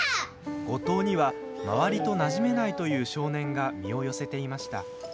五島には周りとなじめないという少年が身を寄せていました。